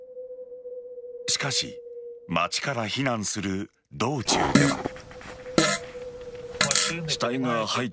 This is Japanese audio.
しかし、街から避難する道中では。